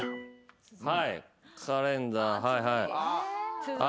カレンダーはいはい。